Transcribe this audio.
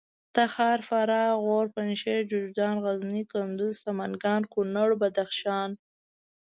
تخار فراه غور پنجشېر جوزجان غزني کندوز سمنګان کونړ بدخشان